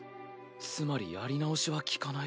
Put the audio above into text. つまりやり直しは利かない？